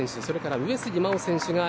それから上杉真穂選手